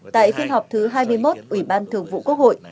tại phiên họp thứ hai mươi một ủy ban thường vụ quốc hội